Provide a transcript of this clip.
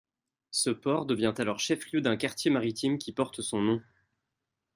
Ce port devient alors chef-lieu d'un quartier maritime qui porte son nom.